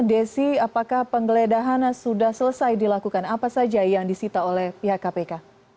desi apakah penggeledahan sudah selesai dilakukan apa saja yang disita oleh pihak kpk